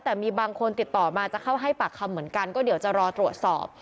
แต่มีบางคนติดต่อมาจะเข้าให้ปากคำเหมือนกันก็เดี๋ยวจะรอตรวจสอบ